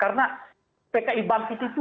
karena pki bankis itu